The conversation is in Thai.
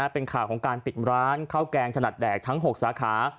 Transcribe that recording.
เป็นข่าวของการปิดร้านข้าวแกงถนัดแดกทั้ง๖สาขา